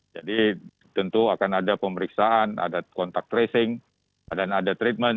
tentu akan ada pemeriksaan ada kontak tracing dan ada treatment